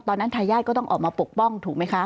ทายาทก็ต้องออกมาปกป้องถูกไหมคะ